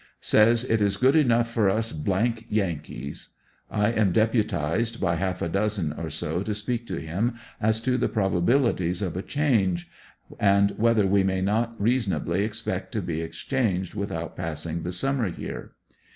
Says it is good enough for us yankees. I am depu tized by half a dozen or so to speak to him as to the probabilities of a change, and whether w^e may not reasonably expect to be ex changed without passing the summer here.